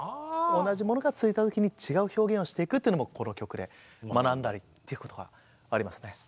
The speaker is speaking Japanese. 同じものが続いた時に違う表現をしていくというのもこの曲で学んだりということはありますね。